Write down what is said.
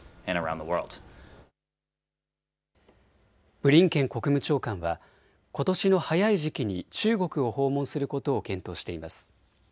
ブリンケン国務長官はことしの早い時期に中国を訪問することを検討しています。